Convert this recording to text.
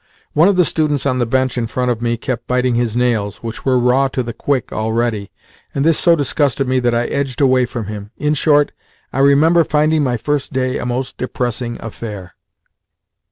One of the students on the bench in front of me kept biting his nails, which were raw to the quick already, and this so disgusted me that I edged away from him. In short, I remember finding my first day a most depressing affair.